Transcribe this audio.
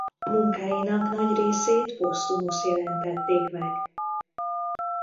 Munkáinak nagy részét posztumusz jelentették meg.